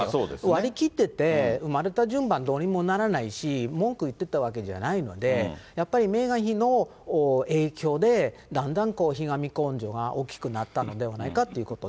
割り切ってて、生まれた順番どうにもならないし、文句言ってたわけじゃないので、やっぱりメーガン妃の影響でだんだんひがみ根性が大きくなったのではないかということ。